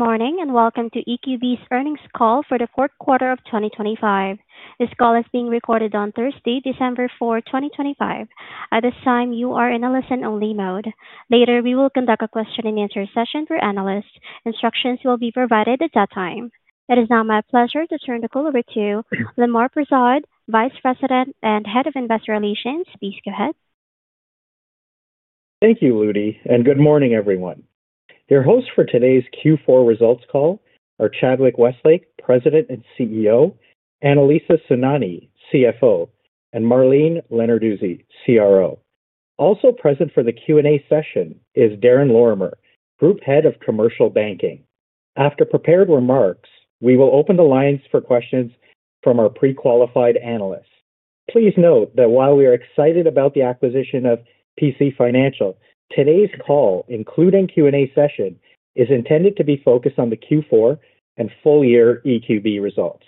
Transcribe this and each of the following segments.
Good morning and welcome to EQB's Earnings Call for the Fourth Quarter of 2025. This call is being recorded on Thursday, December 4, 2025. At this time, you are in a listen-only mode. Later, we will conduct a question and answer session for analysts. Instructions will be provided at that time. It is now my pleasure to turn the call over to Lemar Persaud, Vice President and Head of Investor Relations. Please go ahead. Thank you, Rudy, and good morning, everyone. Your hosts for today's Q4 results call are Chadwick Westlake, President and CEO, Annalisa Santucci, CFO, and Marlene Lenarduzzi, CRO. Also present for the Q&A session is Darren Lorimer, Group Head of Commercial Banking. After prepared remarks, we will open the lines for questions from our pre-qualified analysts. Please note that while we are excited about the acquisition of PC Financial, today's call, including Q&A session, is intended to be focused on the Q4 and full-year EQB results.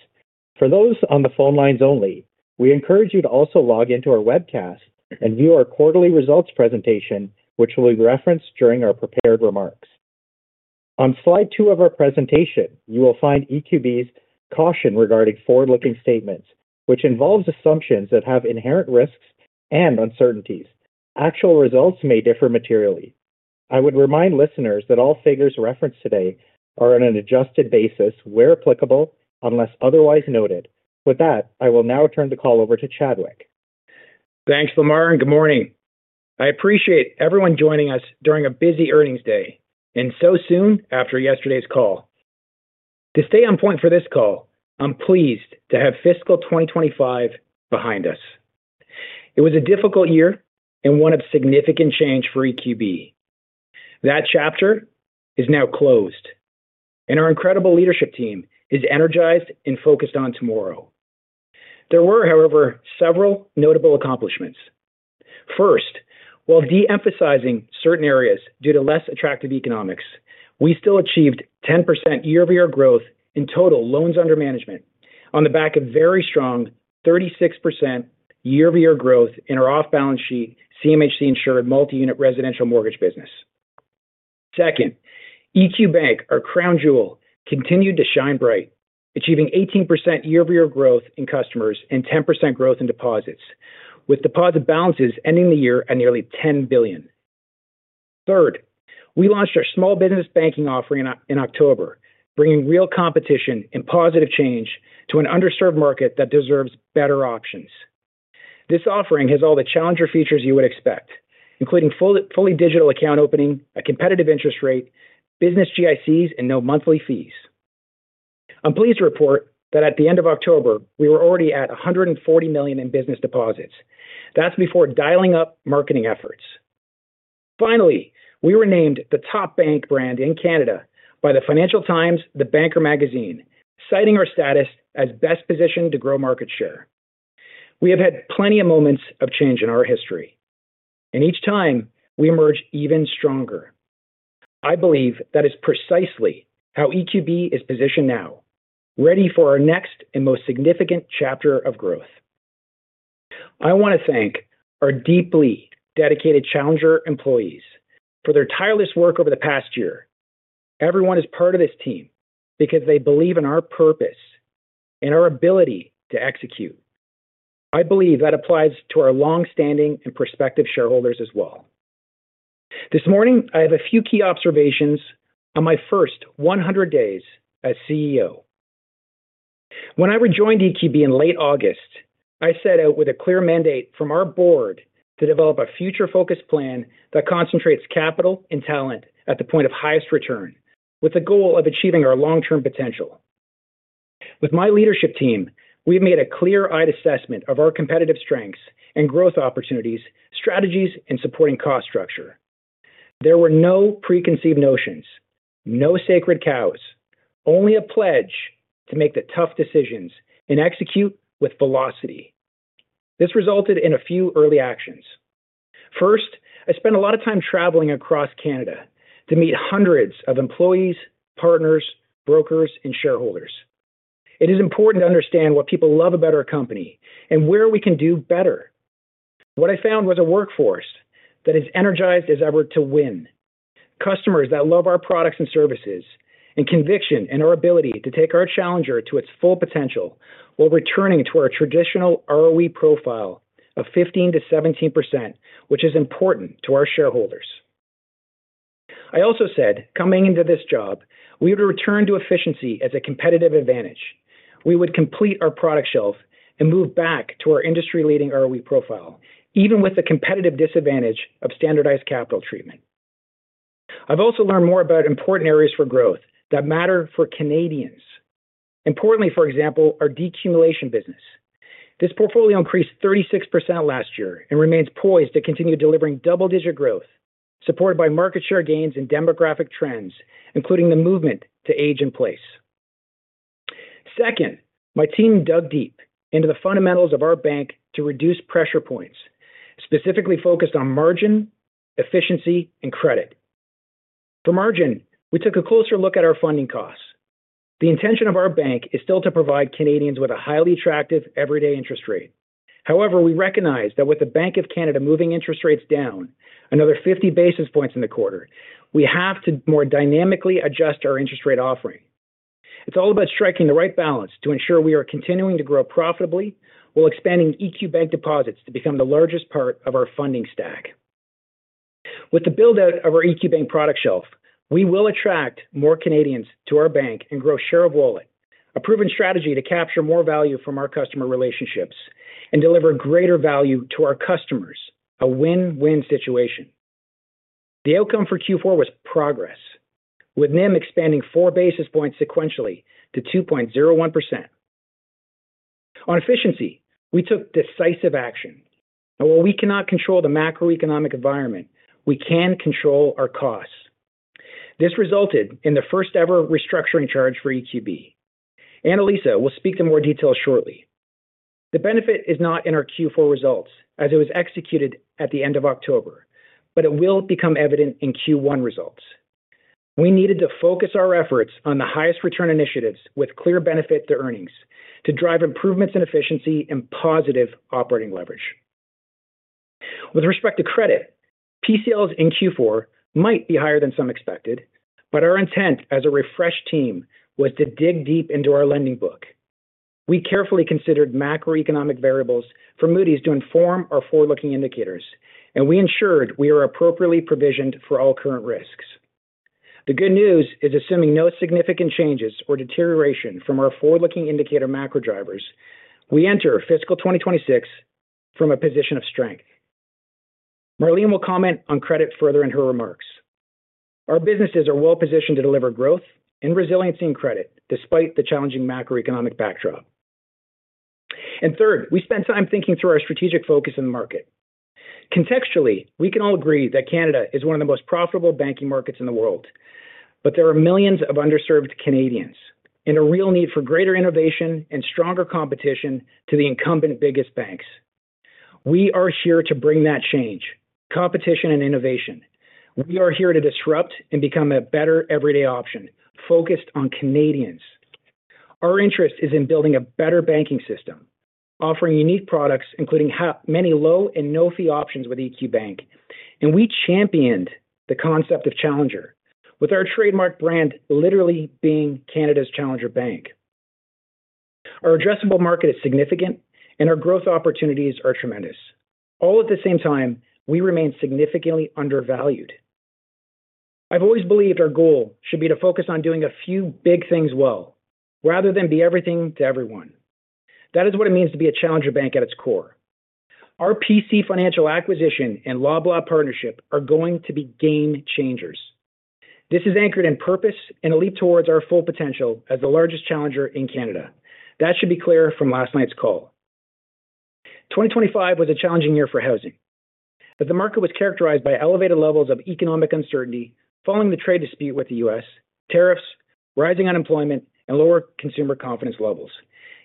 For those on the phone lines only, we encourage you to also log into our webcast and view our quarterly results presentation, which we'll reference during our prepared remarks. On slide two of our presentation, you will find EQB's caution regarding forward-looking statements, which involves assumptions that have inherent risks and uncertainties. Actual results may differ materially. I would remind listeners that all figures referenced today are on an adjusted basis where applicable, unless otherwise noted. With that, I will now turn the call over to Chadwick. Thanks, Lemar, and good morning. I appreciate everyone joining us during a busy earnings day and so soon after yesterday's call. To stay on point for this call, I'm pleased to have fiscal 2025 behind us. It was a difficult year and one of significant change for EQB. That chapter is now closed, and our incredible leadership team is energized and focused on tomorrow. There were, however, several notable accomplishments. First, while de-emphasizing certain areas due to less attractive economics, we still achieved 10% year-over-year growth in total loans under management on the back of very strong 36% year-over-year growth in our off-balance sheet CMHC-insured multi-unit residential mortgage business. Second, EQ Bank, our crown jewel, continued to shine bright, achieving 18% year-over-year growth in customers and 10% growth in deposits, with deposit balances ending the year at nearly 10 billion. Third, we launched our small business banking offering in October, bringing real competition and positive change to an underserved market that deserves better options. This offering has all the challenger features you would expect, including fully digital account opening, a competitive interest rate, business GICs, and no monthly fees. I'm pleased to report that at the end of October, we were already at 140 million in business deposits. That's before dialing up marketing efforts. Finally, we were named the top bank brand in Canada by the Financial Times, The Banker magazine, citing our status as best positioned to grow market share. We have had plenty of moments of change in our history, and each time, we emerged even stronger. I believe that is precisely how EQB is positioned now, ready for our next and most significant chapter of growth. I want to thank our deeply dedicated challenger employees for their tireless work over the past year. Everyone is part of this team because they believe in our purpose and our ability to execute. I believe that applies to our longstanding and prospective shareholders as well. This morning, I have a few key observations on my first 100 days as CEO. When I rejoined EQB in late August, I set out with a clear mandate from our board to develop a future-focused plan that concentrates capital and talent at the point of highest return, with the goal of achieving our long-term potential. With my leadership team, we have made a clear-eyed assessment of our competitive strengths and growth opportunities, strategies, and supporting cost structure. There were no preconceived notions, no sacred cows, only a pledge to make the tough decisions and execute with velocity. This resulted in a few early actions. First, I spent a lot of time traveling across Canada to meet 100 of employees, partners, brokers, and shareholders. It is important to understand what people love about our company and where we can do better. What I found was a workforce that is energized as ever to win, customers that love our products and services, and conviction in our ability to take our challenger to its full potential while returning to our traditional ROE profile of 15%-17%, which is important to our shareholders. I also said coming into this job, we would return to efficiency as a competitive advantage. We would complete our product shelf and move back to our industry-leading ROE profile, even with the competitive disadvantage of standardized capital treatment. I've also learned more about important areas for growth that matter for Canadians. Importantly, for example, our decumulation business. This portfolio increased 36% last year and remains poised to continue delivering double-digit growth, supported by market share gains and demographic trends, including the movement to age in place. Second, my team dug deep into the fundamentals of our bank to reduce pressure points, specifically focused on margin, efficiency, and credit. For margin, we took a closer look at our funding costs. The intention of our bank is still to provide Canadians with a highly attractive everyday interest rate. However, we recognize that with the Bank of Canada moving interest rates down another 50 basis points in the quarter, we have to more dynamically adjust our interest rate offering. It's all about striking the right balance to ensure we are continuing to grow profitably while expanding EQ Bank deposits to become the largest part of our funding stack. With the build-out of our EQ Bank product shelf, we will attract more Canadians to our bank and grow share of wallet, a proven strategy to capture more value from our customer relationships and deliver greater value to our customers, a win-win situation. The outcome for Q4 was progress, with NIM expanding four basis points sequentially to 2.01%. On efficiency, we took decisive action. While we cannot control the macroeconomic environment, we can control our costs. This resulted in the first-ever restructuring charge for EQB. Annalisa will speak to more details shortly. The benefit is not in our Q4 results, as it was executed at the end of October, but it will become evident in Q1 results. We needed to focus our efforts on the highest return initiatives with clear benefit to earnings to drive improvements in efficiency and positive operating leverage. With respect to credit, PCLs in Q4 might be higher than some expected, but our intent as a refreshed team was to dig deep into our lending book. We carefully considered macroeconomic variables for Moody's to inform our forward-looking indicators, and we ensured we are appropriately provisioned for all current risks. The good news is, assuming no significant changes or deterioration from our forward-looking indicator macro drivers, we enter fiscal 2026 from a position of strength. Marlene will comment on credit further in her remarks. Our businesses are well-positioned to deliver growth and resiliency in credit despite the challenging macroeconomic backdrop. And third, we spent time thinking through our strategic focus in the market. Contextually, we can all agree that Canada is one of the most profitable banking markets in the world, but there are millions of underserved Canadians and a real need for greater innovation and stronger competition to the incumbent biggest banks. We are here to bring that change: competition and innovation. We are here to disrupt and become a better everyday option focused on Canadians. Our interest is in building a better banking system, offering unique products, including many low- and no-fee options with EQ Bank, and we championed the concept of Challenger, with our trademark brand literally being Canada's Challenger Bank. Our addressable market is significant, and our growth opportunities are tremendous. All at the same time, we remain significantly undervalued. I've always believed our goal should be to focus on doing a few big things well rather than be everything to everyone. That is what it means to be a challenger bank at its core. Our PC Financial acquisition and Loblaw partnership are going to be game changers. This is anchored in purpose and a leap towards our full potential as the largest challenger in Canada. That should be clear from last night's call. 2025 was a challenging year for housing, as the market was characterized by elevated levels of economic uncertainty following the trade dispute with the U.S., tariffs, rising unemployment, and lower consumer confidence levels.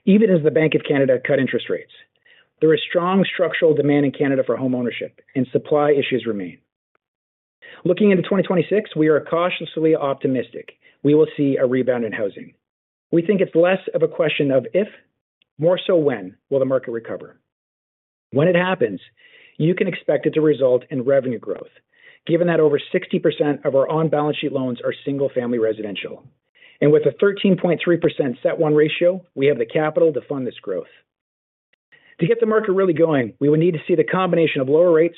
Even as the Bank of Canada cut interest rates, there is strong structural demand in Canada for homeownership, and supply issues remain. Looking into 2026, we are cautiously optimistic we will see a rebound in housing. We think it's less of a question of if, more so when, will the market recover. When it happens, you can expect it to result in revenue growth, given that over 60% of our on-balance sheet loans are single-family residential, and with a 13.3% CET1 ratio, we have the capital to fund this growth. To get the market really going, we would need to see the combination of lower rates,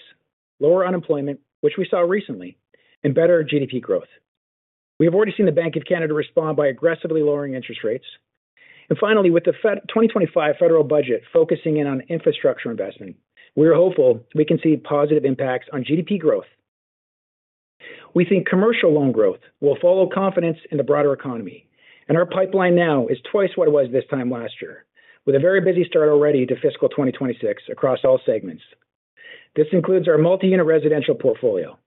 lower unemployment, which we saw recently, and better GDP growth. We have already seen the Bank of Canada respond by aggressively lowering interest rates, and finally, with the 2025 federal budget focusing in on infrastructure investment, we are hopeful we can see positive impacts on GDP growth. We think commercial loan growth will follow confidence in the broader economy, and our pipeline now is twice what it was this time last year, with a very busy start already to fiscal 2026 across all segments. This includes our multi-unit residential portfolio.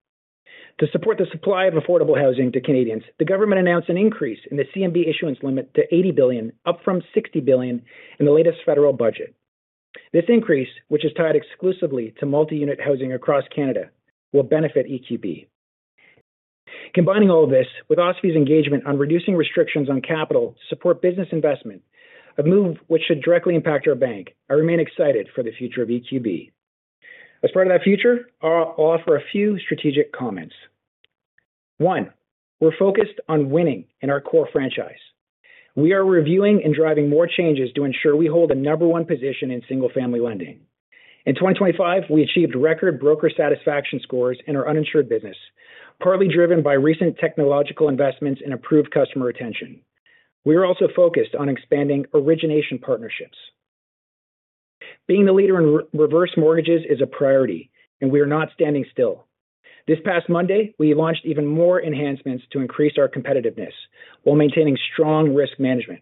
To support the supply of affordable housing to Canadians, the government announced an increase in the CMB issuance limit to 80 billion, up from 60 billion in the latest federal budget. This increase, which is tied exclusively to multi-unit housing across Canada, will benefit EQB. Combining all of this with OSFI's engagement on reducing restrictions on capital to support business investment, a move which should directly impact our bank, I remain excited for the future of EQB. As part of that future, I'll offer a few strategic comments. One, we're focused on winning in our core franchise. We are reviewing and driving more changes to ensure we hold a number one position in single-family lending. In 2025, we achieved record broker satisfaction scores in our uninsured business, partly driven by recent technological investments and improved customer retention. We are also focused on expanding origination partnerships. Being the leader in reverse mortgages is a priority, and we are not standing still. This past Monday, we launched even more enhancements to increase our competitiveness while maintaining strong risk management.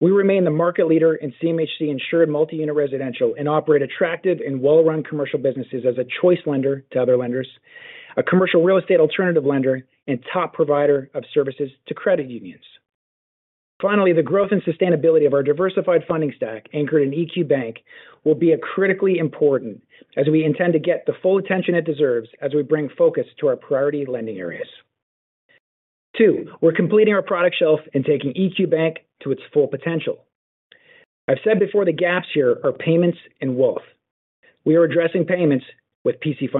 We remain the market leader in CMHC-insured multi-unit residential and operate attractive and well-run commercial businesses as a choice lender to other lenders, a commercial real estate alternative lender, and top provider of services to credit unions. Finally, the growth and sustainability of our diversified funding stack anchored in EQ Bank will be critically important as we intend to get the full attention it deserves as we bring focus to our priority lending areas. Two, we're completing our product shelf and taking EQ Bank to its full potential. I've said before the gaps here are payments and wealth. We are addressing payments with PC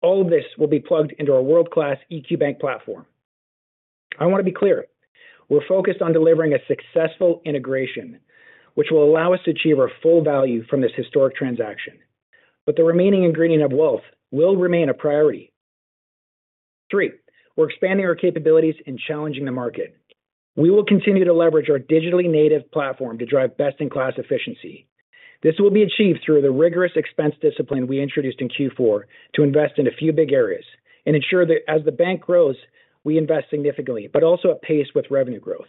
Financial. All of this will be plugged into our world-class EQ Bank platform. I want to be clear. We're focused on delivering a successful integration, which will allow us to achieve our full value from this historic transaction. But the remaining ingredient of wealth will remain a priority. Three, we're expanding our capabilities and challenging the market. We will continue to leverage our digitally native platform to drive best-in-class efficiency. This will be achieved through the rigorous expense discipline we introduced in Q4 to invest in a few big areas and ensure that as the bank grows, we invest significantly, but also at pace with revenue growth.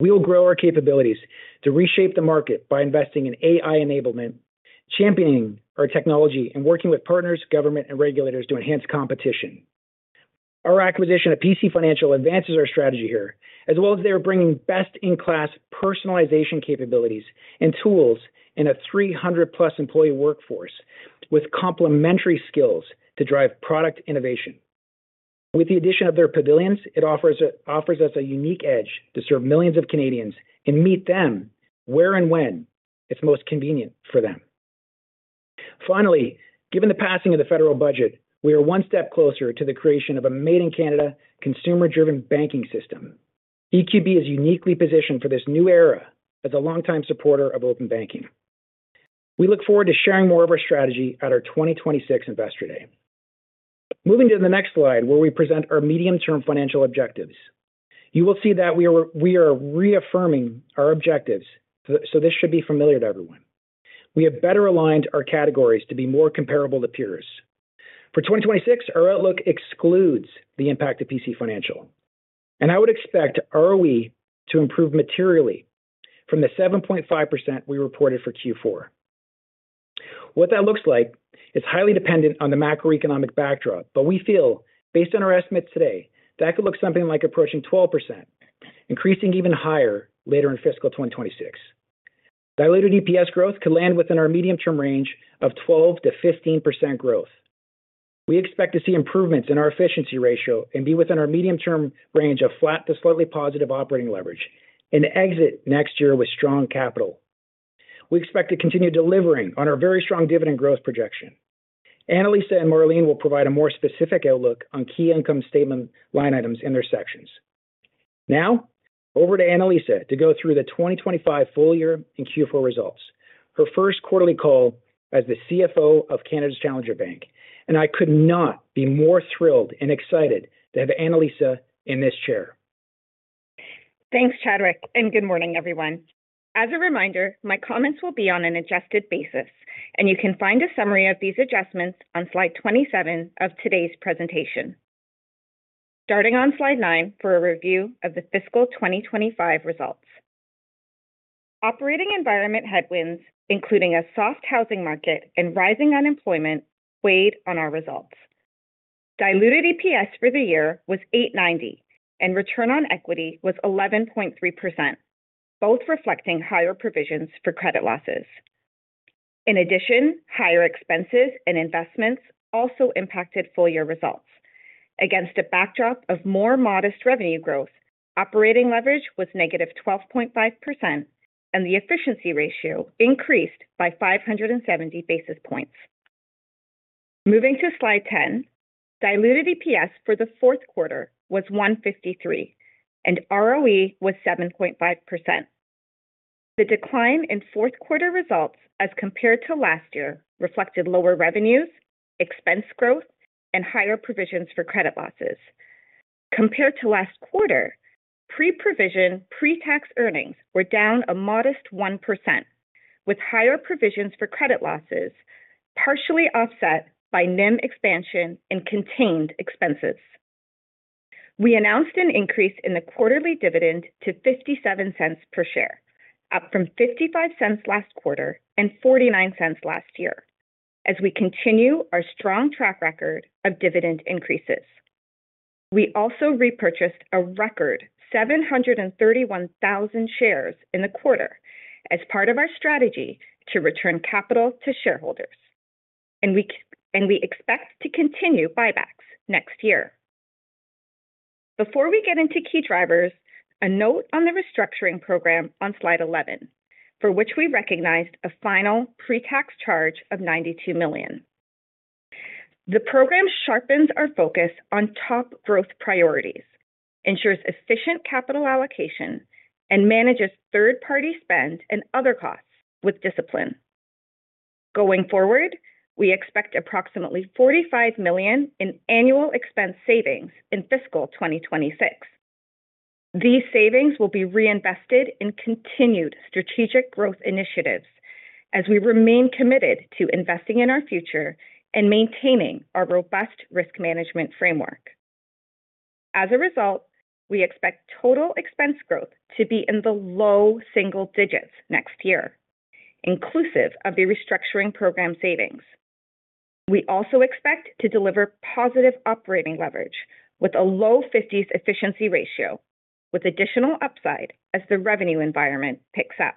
We will grow our capabilities to reshape the market by investing in AI enablement, championing our technology, and working with partners, government, and regulators to enhance competition. Our acquisition of PC Financial advances our strategy here, as well as they are bringing best-in-class personalization capabilities and tools in a 300-plus employee workforce with complementary skills to drive product innovation. With the addition of their platforms, it offers us a unique edge to serve millions of Canadians and meet them where and when it's most convenient for them. Finally, given the passing of the federal budget, we are one step closer to the creation of a made-in-Canada, consumer-driven banking system. EQB is uniquely positioned for this new era as a longtime supporter of open banking. We look forward to sharing more of our strategy at our 2026 Investor Day. Moving to the next slide, where we present our medium-term financial objectives. You will see that we are reaffirming our objectives, so this should be familiar to everyone. We have better aligned our categories to be more comparable to peers. For 2026, our outlook excludes the impact of PC Financial, and I would expect ROE to improve materially from the 7.5% we reported for Q4. What that looks like is highly dependent on the macroeconomic backdrop, but we feel, based on our estimates today, that could look something like approaching 12%, increasing even higher later in fiscal 2026. Diluted EPS growth could land within our medium-term range of 12%-15% growth. We expect to see improvements in our efficiency ratio and be within our medium-term range of flat to slightly positive operating leverage and exit next year with strong capital. We expect to continue delivering on our very strong dividend growth projection. Annalisa and Marlene will provide a more specific outlook on key income statement line items in their sections. Now, over to Annalisa to go through the 2025 full year in Q4 results, her first quarterly call as the CFO of Canada's Challenger Bank, and I could not be more thrilled and excited to have Annalisa in this chair. Thanks, Chadwick, and good morning, everyone. As a reminder, my comments will be on an adjusted basis, and you can find a summary of these adjustments on slide 27 of today's presentation. Starting on slide nine for a review of the fiscal 2025 results. Operating environment headwinds, including a soft housing market and rising unemployment, weighed on our results. Diluted EPS for the year was 8.90, and return on equity was 11.3%, both reflecting higher provisions for credit losses. In addition, higher expenses and investments also impacted full-year results. Against a backdrop of more modest revenue growth, operating leverage was negative 12.5%, and the efficiency ratio increased by 570 basis points. Moving to slide 10, diluted EPS for the fourth quarter was 1.53, and ROE was 7.5%. The decline in fourth quarter results as compared to last year reflected lower revenues, expense growth, and higher provisions for credit losses. Compared to last quarter, pre-provision pretax earnings were down a modest 1%, with higher provisions for credit losses partially offset by NIM expansion and contained expenses. We announced an increase in the quarterly dividend to 0.57 per share, up from 0.55 last quarter and 0.49 last year, as we continue our strong track record of dividend increases. We also repurchased a record 731,000 shares in the quarter as part of our strategy to return capital to shareholders, and we expect to continue buybacks next year. Before we get into key drivers, a note on the restructuring program on slide 11, for which we recognized a final pretax charge of 92 million. The program sharpens our focus on top growth priorities, ensures efficient capital allocation, and manages third-party spend and other costs with discipline. Going forward, we expect approximately 45 million in annual expense savings in fiscal 2026. These savings will be reinvested in continued strategic growth initiatives as we remain committed to investing in our future and maintaining our robust risk management framework. As a result, we expect total expense growth to be in the low single digits next year, inclusive of the restructuring program savings. We also expect to deliver positive operating leverage with a low 50s efficiency ratio, with additional upside as the revenue environment picks up.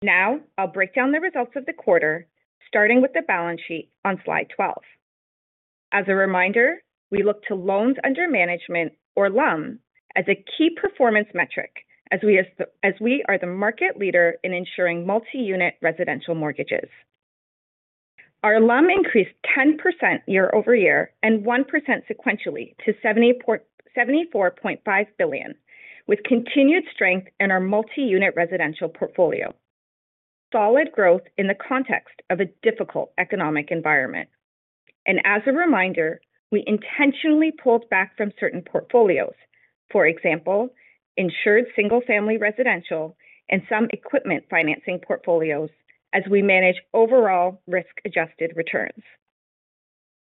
Now, I'll break down the results of the quarter, starting with the balance sheet on slide 12. As a reminder, we look to loans under management, or LUM, as a key performance metric as we are the market leader in ensuring multi-unit residential mortgages. Our LUM increased 10% year-over-year and 1% sequentially to 74.5 billion, with continued strength in our multi-unit residential portfolio. Solid growth in the context of a difficult economic environment. And as a reminder, we intentionally pulled back from certain portfolios, for example, insured single-family residential and some equipment financing portfolios, as we manage overall risk-adjusted returns.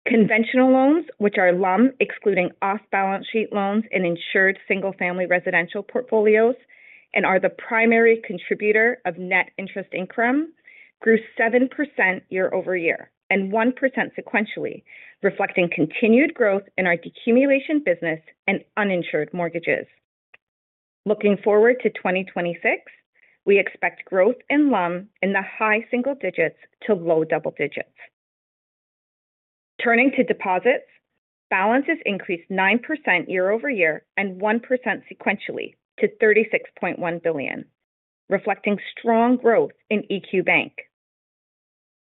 Conventional loans, which are LUM excluding off-balance sheet loans and insured single-family residential portfolios, and are the primary contributor of net interest income, grew 7% year-over-year and 1% sequentially, reflecting continued growth in our decumulation business and uninsured mortgages. Looking forward to 2026, we expect growth in LUM in the high single digits to low double digits. Turning to deposits, balances increased 9% year-over-year and 1% sequentially to 36.1 billion, reflecting strong growth in EQ Bank.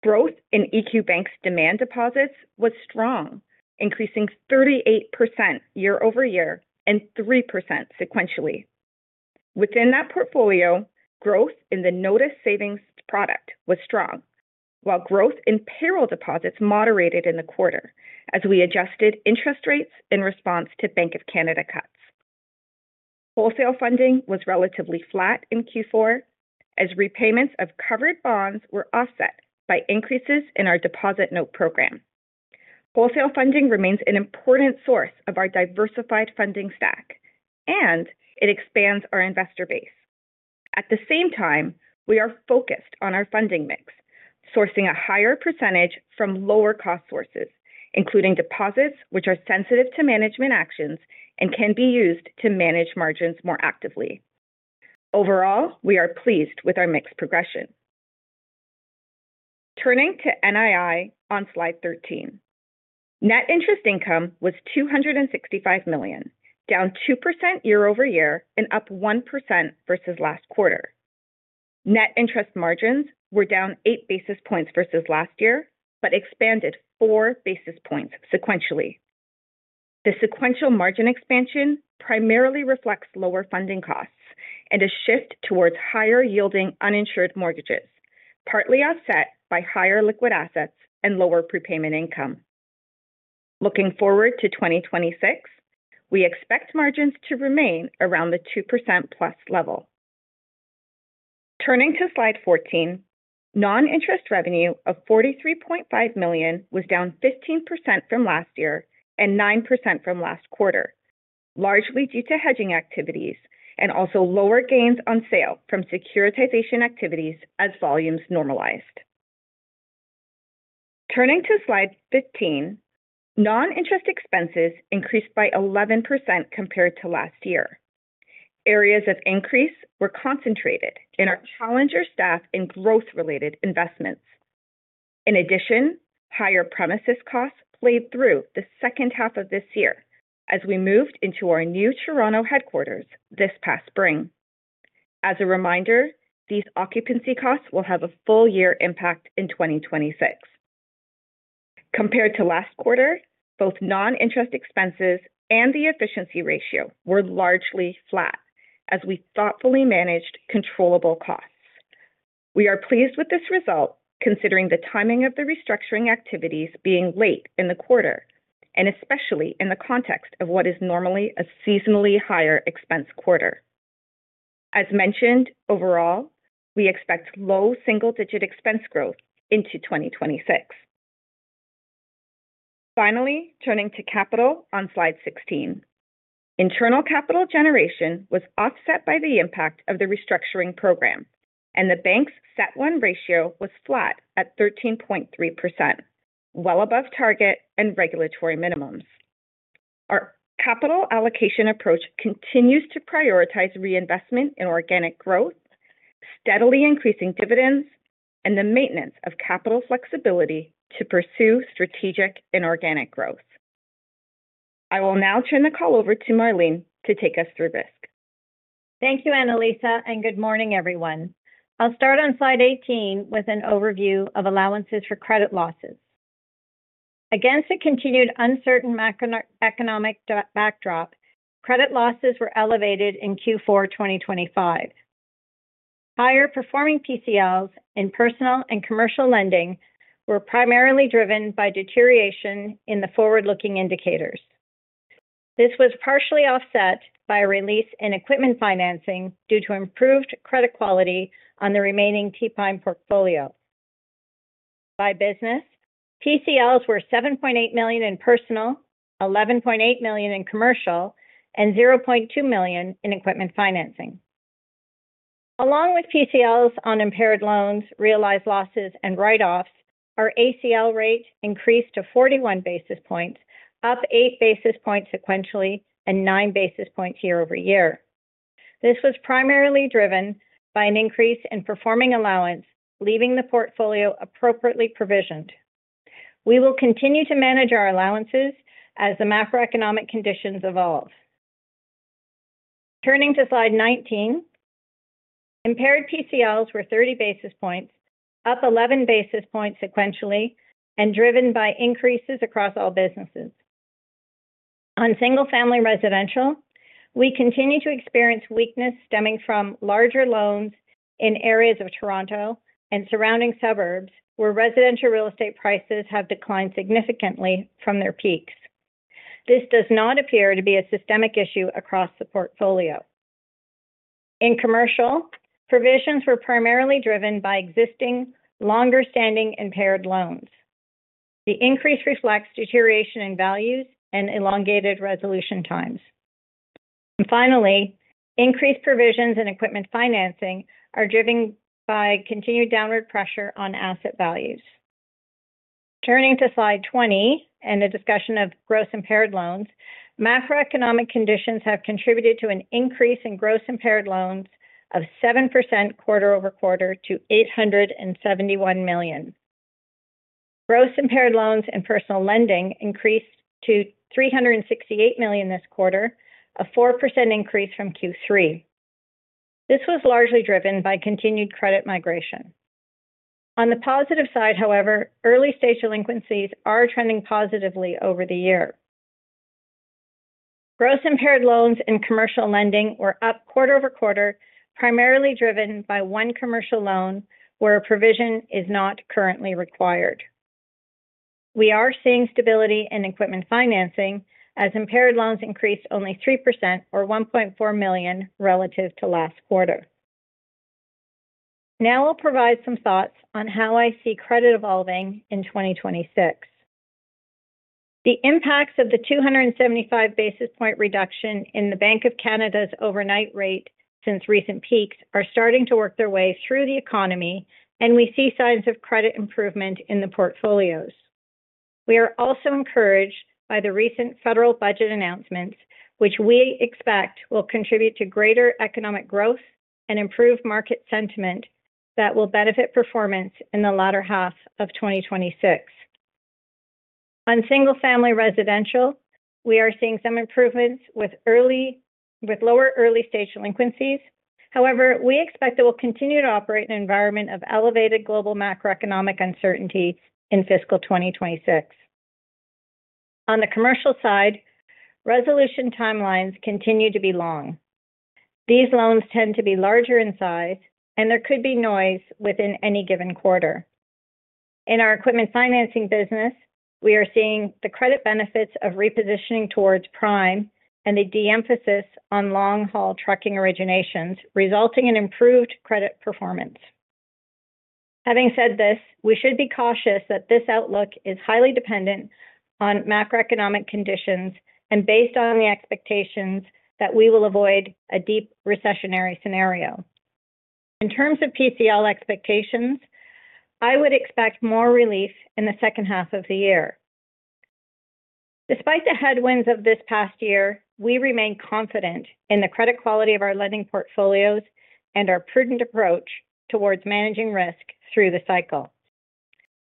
Growth in EQ Bank's demand deposits was strong, increasing 38% year-over-year and 3% sequentially. Within that portfolio, growth in the notice savings product was strong, while growth in payroll deposits moderated in the quarter as we adjusted interest rates in response to Bank of Canada cuts. Wholesale funding was relatively flat in Q4, as repayments of covered bonds were offset by increases in our deposit note program. Wholesale funding remains an important source of our diversified funding stack, and it expands our investor base. At the same time, we are focused on our funding mix, sourcing a higher percentage from lower-cost sources, including deposits, which are sensitive to management actions and can be used to manage margins more actively. Overall, we are pleased with our mixed progression. Turning to NII on slide 13, net interest income was 265 million, down 2% year-over-year and up 1% versus last quarter. Net interest margins were down eight basis points versus last year, but expanded four basis points sequentially. The sequential margin expansion primarily reflects lower funding costs and a shift towards higher-yielding uninsured mortgages, partly offset by higher liquid assets and lower prepayment income. Looking forward to 2026, we expect margins to remain around the 2% plus level. Turning to slide 14, non-interest revenue of 43.5 million was down 15% from last year and 9% from last quarter, largely due to hedging activities and also lower gains on sale from securitization activities as volumes normalized. Turning to slide 15, non-interest expenses increased by 11% compared to last year. Areas of increase were concentrated in our Challenger staff and growth-related investments. In addition, higher premises costs played through the second half of this year as we moved into our new Toronto headquarters this past spring. As a reminder, these occupancy costs will have a full-year impact in 2026. Compared to last quarter, both non-interest expenses and the efficiency ratio were largely flat as we thoughtfully managed controllable costs. We are pleased with this result, considering the timing of the restructuring activities being late in the quarter, and especially in the context of what is normally a seasonally higher expense quarter. As mentioned, overall, we expect low single-digit expense growth into 2026. Finally, turning to capital on slide 16, internal capital generation was offset by the impact of the restructuring program, and the bank's CET1 ratio was flat at 13.3%, well above target and regulatory minimums. Our capital allocation approach continues to prioritize reinvestment in organic growth, steadily increasing dividends, and the maintenance of capital flexibility to pursue strategic and organic growth. I will now turn the call over to Marlene to take us through risk. Thank you, Annalisa, and good morning, everyone. I'll start on slide 18 with an overview of allowances for credit losses. Against a continued uncertain macroeconomic backdrop, credit losses were elevated in Q4 2025. Higher-performing PCLs in personal and commercial lending were primarily driven by deterioration in the forward-looking indicators. This was partially offset by a release in equipment financing due to improved credit quality on the remaining T-Pine portfolio. By business, PCLs were 7.8 million in personal, 11.8 million in commercial, and 0.2 million in equipment financing. Along with PCLs on impaired loans, realized losses, and write-offs, our ACL rate increased to 41 basis points, up eight basis points sequentially and nine basis points year-over-year. This was primarily driven by an increase in performing allowance, leaving the portfolio appropriately provisioned. We will continue to manage our allowances as the macroeconomic conditions evolve. Turning to slide 19, impaired PCLs were 30 basis points, up 11 basis points sequentially, and driven by increases across all businesses. On single-family residential, we continue to experience weakness stemming from larger loans in areas of Toronto and surrounding suburbs where residential real estate prices have declined significantly from their peaks. This does not appear to be a systemic issue across the portfolio. In commercial, provisions were primarily driven by existing longer-standing impaired loans. The increase reflects deterioration in values and elongated resolution times. Finally, increased provisions in equipment financing are driven by continued downward pressure on asset values. Turning to slide 20 and the discussion of gross impaired loans, macroeconomic conditions have contributed to an increase in gross impaired loans of 7% quarter-over-quarter to 871 million. Gross impaired loans and personal lending increased to 368 million this quarter, a 4% increase from Q3. This was largely driven by continued credit migration. On the positive side, however, early-stage delinquencies are trending positively over the year. Gross impaired loans and commercial lending were up quarter-over-quarter, primarily driven by one commercial loan where a provision is not currently required. We are seeing stability in equipment financing as impaired loans increased only 3%, or 1.4 million relative to last quarter. Now I'll provide some thoughts on how I see credit evolving in 2026. The impacts of the 275 basis point reduction in the Bank of Canada's overnight rate since recent peaks are starting to work their way through the economy, and we see signs of credit improvement in the portfolios. We are also encouraged by the recent federal budget announcements, which we expect will contribute to greater economic growth and improve market sentiment that will benefit performance in the latter half of 2026. On single-family residential, we are seeing some improvements with lower early-stage delinquencies. However, we expect that we'll continue to operate in an environment of elevated global macroeconomic uncertainty in fiscal 2026. On the commercial side, resolution timelines continue to be long. These loans tend to be larger in size, and there could be noise within any given quarter. In our equipment financing business, we are seeing the credit benefits of repositioning towards prime and the de-emphasis on long-haul trucking originations, resulting in improved credit performance. Having said this, we should be cautious that this outlook is highly dependent on macroeconomic conditions and based on the expectations that we will avoid a deep recessionary scenario. In terms of PCL expectations, I would expect more relief in the second half of the year. Despite the headwinds of this past year, we remain confident in the credit quality of our lending portfolios and our prudent approach towards managing risk through the cycle.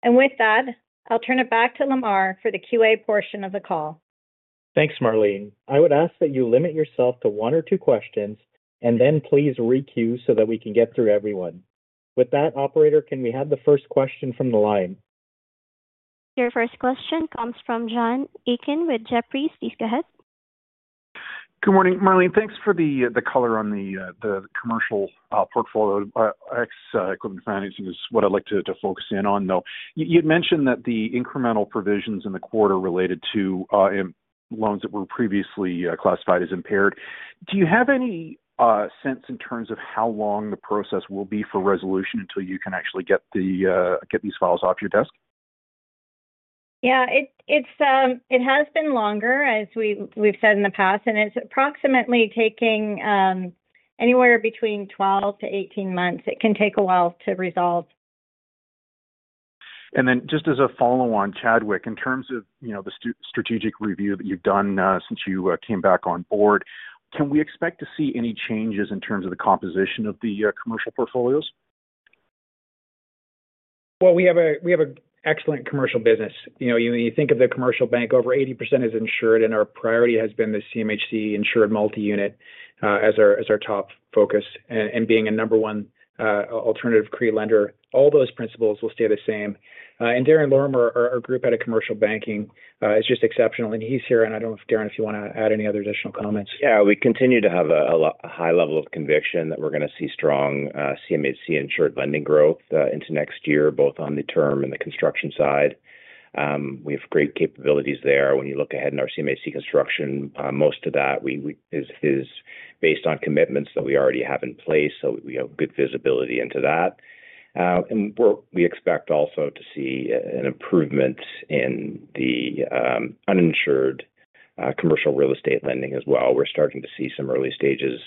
And with that, I'll turn it back to Lemar for the Q&A portion of the call. Thanks, Marlene. I would ask that you limit yourself to one or two questions and then please re-queue so that we can get through everyone. With that, operator, can we have the first question from the line? Your first question comes from John Aiken with Jefferies. Please go ahead. Good morning, Marlene. Thanks for the color on the commercial portfolio. EQ's Equipment Financing is what I'd like to focus in on, though. You'd mentioned that the incremental provisions in the quarter related to loans that were previously classified as impaired. Do you have any sense in terms of how long the process will be for resolution until you can actually get these files off your desk? Yeah, it has been longer, as we've said in the past, and it's approximately taking anywhere between 12 to 18 months. It can take a while to resolve. And then just as a follow-on, Chadwick, in terms of the strategic review that you've done since you came back on board, can we expect to see any changes in terms of the composition of the commercial portfolios? Well, we have an excellent commercial business. You think of the commercial bank, over 80% is insured, and our priority has been the CMHC insured multi-unit as our top focus and being a number one alternative CRE lender. All those principles will stay the same. And Darren Lorimer, our group head of commercial banking, is just exceptional. And he's here, and I don't know if, Darren, if you want to add any other additional comments. Yeah, we continue to have a high level of conviction that we're going to see strong CMHC insured lending growth into next year, both on the term and the construction side. We have great capabilities there. When you look ahead in our CMHC construction, most of that is based on commitments that we already have in place, so we have good visibility into that. And we expect also to see an improvement in the uninsured commercial real estate lending as well. We're starting to see some early stages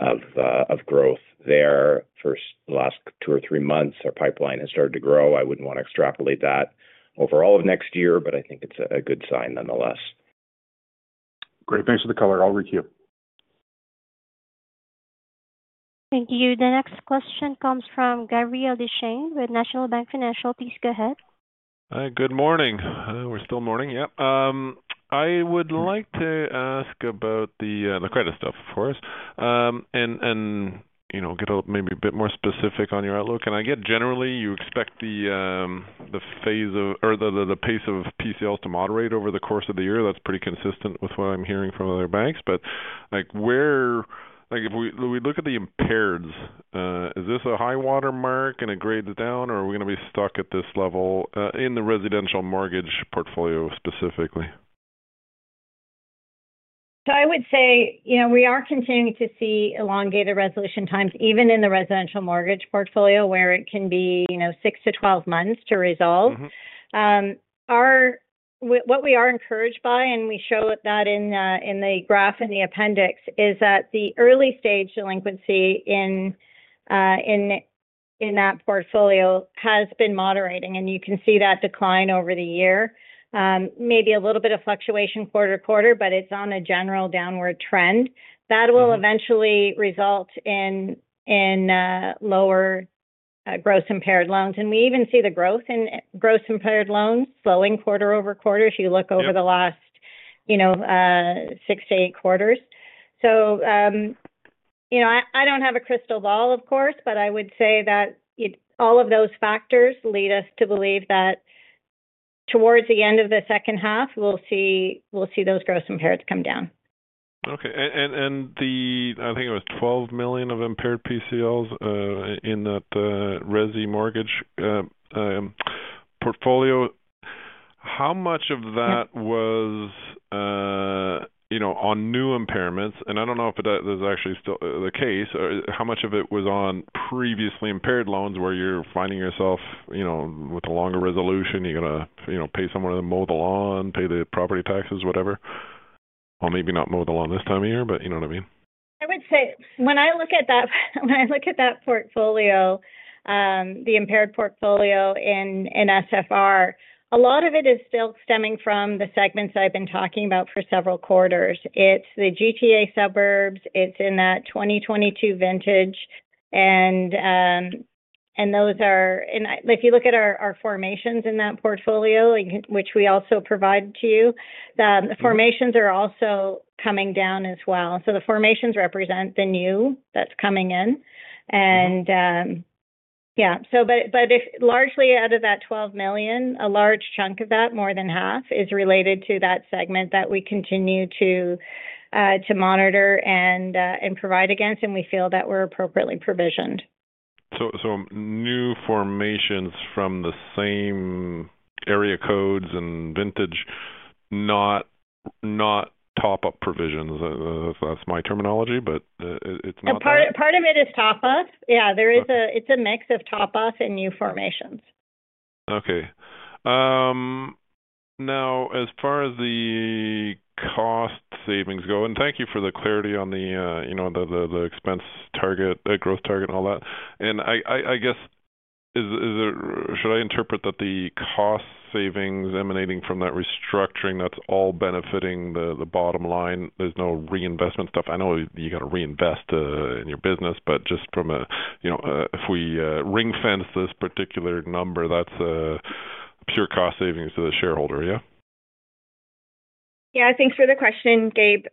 of growth there. For the last two or three months, our pipeline has started to grow. I wouldn't want to extrapolate that overall of next year, but I think it's a good sign nonetheless. Great. Thanks for the color. I'll re-queue. Thank you. The next question comes from Gabriel Dechaine with National Bank Financial. Please go ahead. Good morning. We're still morning. Yep. I would like to ask about the credit stuff, of course, and get maybe a bit more specific on your outlook. And I guess generally, you expect the phase of or the pace of PCLs to moderate over the course of the year. That's pretty consistent with what I'm hearing from other banks. But if we look at the impaireds, is this a high watermark and it grades down, or are we going to be stuck at this level in the residential mortgage portfolio specifically? So I would say we are continuing to see elongated resolution times, even in the residential mortgage portfolio, where it can be six to 12 months to resolve. What we are encouraged by, and we show that in the graph in the appendix, is that the early-stage delinquency in that portfolio has been moderating, and you can see that decline over the year. Maybe a little bit of fluctuation quarter to quarter, but it's on a general downward trend. That will eventually result in lower gross impaired loans. And we even see the growth in gross impaired loans slowing quarter-over-quarter if you look over the last six to eight quarters. So I don't have a crystal ball, of course, but I would say that all of those factors lead us to believe that towards the end of the second half, we'll see those gross impaireds come down. Okay. And I think it was 12 million of impaired PCLs in that Resi mortgage portfolio. How much of that was on new impairments? And I don't know if that is actually still the case. How much of it was on previously impaired loans where you're finding yourself with a longer resolution? You're going to pay someone to mow the lawn, pay the property taxes, whatever. Or maybe not mow the lawn this time of year, but you know what I mean. I would say when I look at that portfolio, the impaired portfolio in SFR, a lot of it is still stemming from the segments I've been talking about for several quarters. It's the GTA suburbs. It's in that 2022 vintage. And those are if you look at our formations in that portfolio, which we also provide to you, the formations are also coming down as well. So the formations represent the new that's coming in. And yeah. But largely out of that 12 million, a large chunk of that, more than half, is related to that segment that we continue to monitor and provide against, and we feel that we're appropriately provisioned. So new formations from the same area codes and vintage, not top-up provisions. That's my terminology, but it's not. Part of it is top-up. Yeah. It's a mix of top-up and new formations. Okay. Now, as far as the cost savings go, and thank you for the clarity on the expense target, gross target, and all that. And I guess, should I interpret that the cost savings emanating from that restructuring, that's all benefiting the bottom line? There's no reinvestment stuff. I know you got to reinvest in your business, but just from a if we ring-fence this particular number, that's pure cost savings to the shareholder, yeah? Yeah. Thanks for the question, Gabe.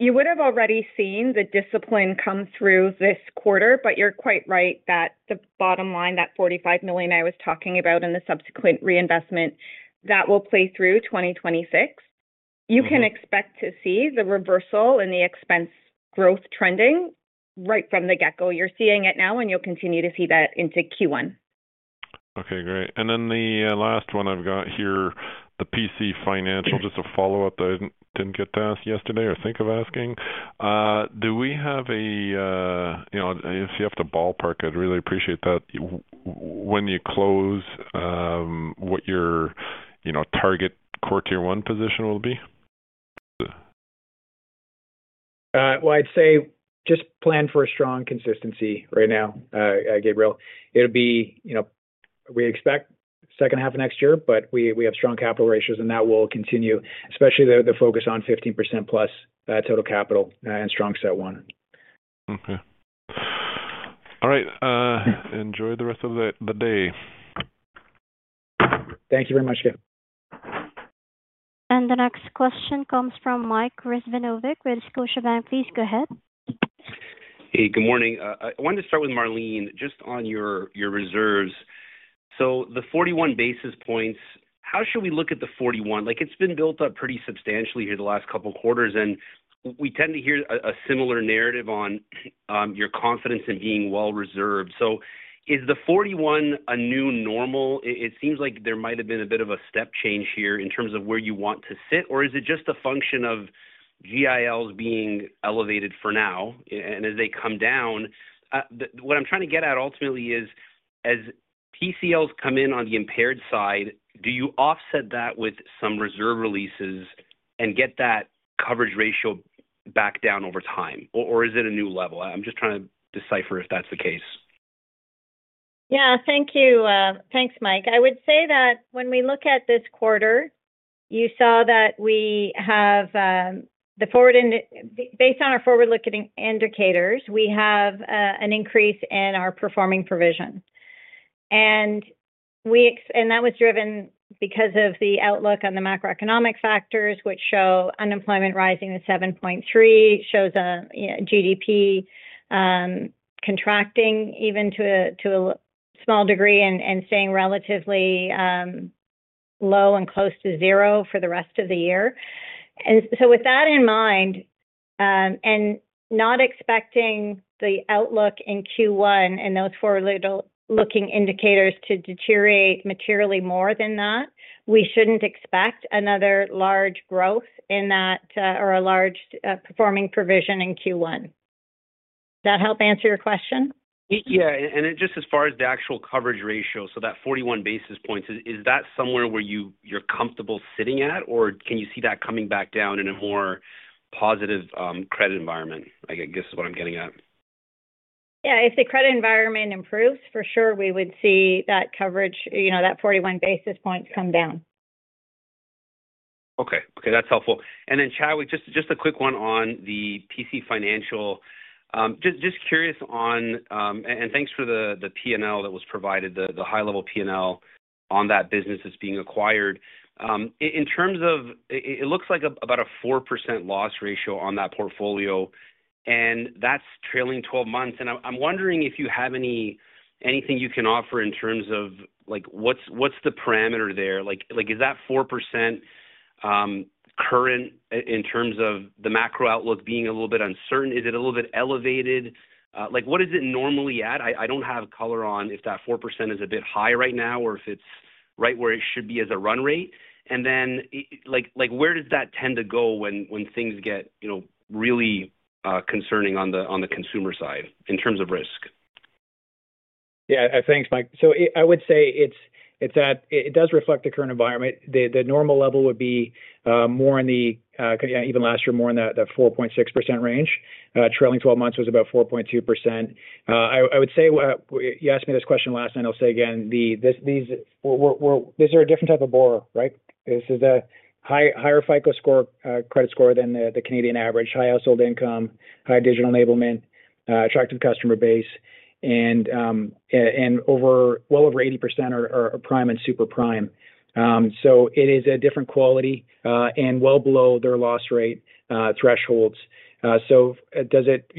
You would have already seen the discipline come through this quarter, but you're quite right that the bottom line, that 45 million I was talking about in the subsequent reinvestment, that will play through 2026. You can expect to see the reversal in the expense growth trending right from the get-go. You're seeing it now, and you'll continue to see that into Q1. Okay. Great. And then the last one I've got here, the PC Financial, just a follow-up that I didn't get to ask yesterday or think of asking. Do we have a if you have to ballpark, I'd really appreciate that. When you close, what your target quarter one position will be? Well, I'd say just plan for a strong consistency right now, Gabriel. It'll be we expect second half of next year, but we have strong capital ratios, and that will continue, especially the focus on 15% plus total capital and strong CET1. Okay. All right. Enjoy the rest of the day. Thank you very much, Gabe. And the next question comes from Mike Rizvanovic with Scotiabank. Please go ahead. Hey, good morning. I wanted to start with Marlene just on your reserves. So the 41 basis points, how should we look at the 41? It's been built up pretty substantially here the last couple of quarters, and we tend to hear a similar narrative on your confidence in being well-reserved. So is the 41 a new normal? It seems like there might have been a bit of a step change here in terms of where you want to sit, or is it just a function of GILs being elevated for now? And as they come down, what I'm trying to get at ultimately is, as PCLs come in on the impaired side, do you offset that with some reserve releases and get that coverage ratio back down over time, or is it a new level? I'm just trying to decipher if that's the case. Yeah. Thank you. Thanks, Mike. I would say that when we look at this quarter, you saw that we have the provision based on our forward-looking indicators, we have an increase in our performing provision, and that was driven because of the outlook on the macroeconomic factors, which show unemployment rising to 7.3, shows GDP contracting even to a small degree and staying relatively low and close to zero for the rest of the year, so with that in mind, and not expecting the outlook in Q1 and those forward-looking indicators to deteriorate materially more than that, we shouldn't expect another large growth in that or a large performing provision in Q1. Does that help answer your question? Yeah. And just as far as the actual coverage ratio, so that 41 basis points, is that somewhere where you're comfortable sitting at, or can you see that coming back down in a more positive credit environment? I guess is what I'm getting at. Yeah. If the credit environment improves, for sure, we would see that coverage, that 41 basis points come down. Okay. Okay. That's helpful. And then, Chadwick, just a quick one on the PC Financial. Just curious on and thanks for the P&L that was provided, the high-level P&L on that business that's being acquired. In terms of it looks like about a 4% loss ratio on that portfolio, and that's trailing 12 months. And I'm wondering if you have anything you can offer in terms of what's the parameter there? Is that 4% current in terms of the macro outlook being a little bit uncertain? Is it a little bit elevated? What is it normally at? I don't have color on if that 4% is a bit high right now or if it's right where it should be as a run rate. And then where does that tend to go when things get really concerning on the consumer side in terms of risk? Yeah. Thanks, Mike. So I would say it does reflect the current environment. The normal level would be more in the even last year, more in that 4.6% range. Trailing 12 months was about 4.2%. I would say you asked me this question last night. I'll say again, these are a different type of borrower, right? This is a higher FICO score, credit score than the Canadian average, high household income, high digital enablement, attractive customer base, and well over 80% are prime and super prime. So it is a different quality and well below their loss rate thresholds. So does it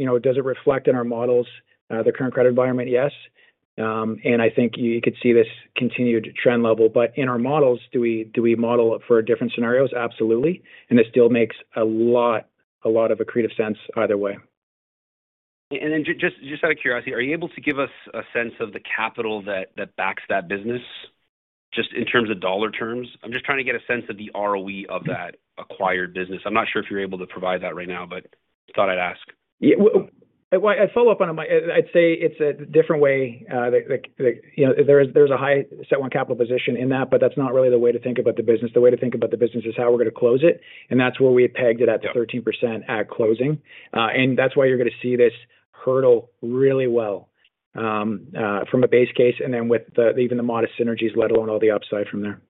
reflect in our models, the current credit environment? Yes. And I think you could see this continued trend level. But in our models, do we model for different scenarios? Absolutely. And it still makes a lot of economic sense either way. And then just out of curiosity, are you able to give us a sense of the capital that backs that business just in terms of dollar terms? I'm just trying to get a sense of the ROE of that acquired business. I'm not sure if you're able to provide that right now, but thought I'd ask. Yeah. Well, I'd follow up on it. I'd say it's a different way. There's a high CET1 capital position in that, but that's not really the way to think about the business. The way to think about the business is how we're going to close it. And that's where we had pegged it at 13% at closing. And that's why you're going to see this hurdle really well from a base case and then with even the modest synergies, let alone all the upside from there.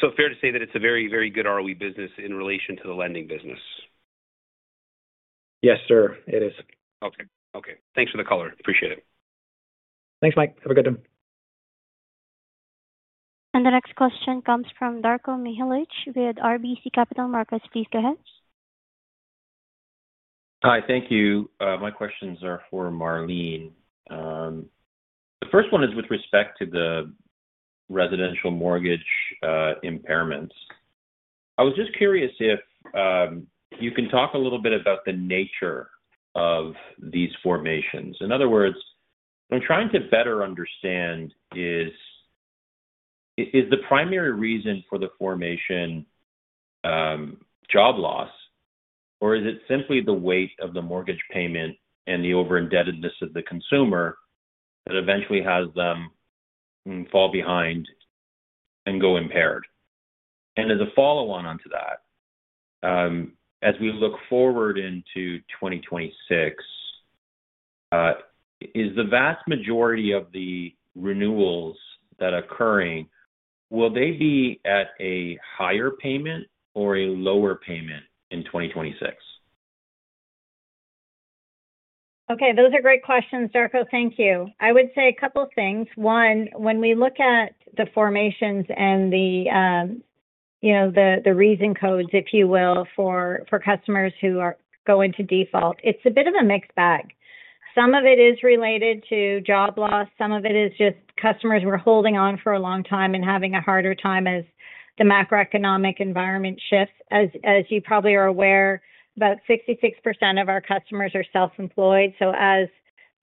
So fair to say that it's a very, very good ROE business in relation to the lending business? Yes, sir. It is. Okay. Okay. Thanks for the color. Appreciate it. Thanks, Mike. Have a good one. And the next question comes from Darko Mihelic with RBC Capital Markets. Please go ahead. Hi. Thank you. My questions are for Marlene. The first one is with respect to the residential mortgage impairments. I was just curious if you can talk a little bit about the nature of these impairments. In other words, what I'm trying to better understand is the primary reason for the impairment, job loss, or is it simply the weight of the mortgage payment and the over-indebtedness of the consumer that eventually has them fall behind and go impaired? And as a follow-on onto that, as we look forward into 2026, is the vast majority of the renewals that are occurring, will they be at a higher payment or a lower payment in 2026? Okay. Those are great questions, Darko. Thank you. I would say a couple of things. One, when we look at the impairments and the reason codes, if you will, for customers who are going to default, it's a bit of a mixed bag. Some of it is related to job loss. Some of it is just customers we're holding on for a long time and having a harder time as the macroeconomic environment shifts. As you probably are aware, about 66% of our customers are self-employed. So as